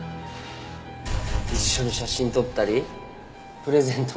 一緒に写真撮ったりプレゼントもらったり。